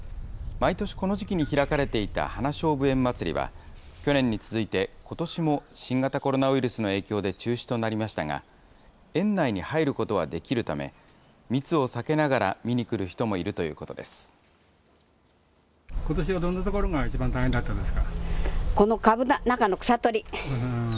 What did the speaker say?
毎年この時期に開かれていた花ショウブ園祭りは、去年に続いて、ことしも新型コロナウイルスの影響で中止となりましたが、園内に入ることはできるため、密を避けながら見に来る人もいるということです。